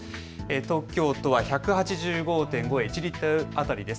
東京都１８５．５円、１リットル当たりです。